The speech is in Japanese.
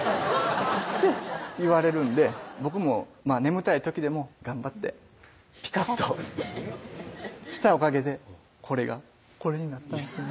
言われるんで僕も眠たい時でも頑張ってピタっとしたおかげでこれがこれになったんですよね